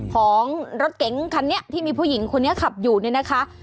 ของรถเก๋งคันนี้ที่มีผู้หญิงคนนี้ขับอยู่เนี่ยนะคะ